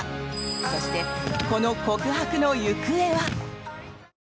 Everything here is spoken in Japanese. そして、この告白の行方は。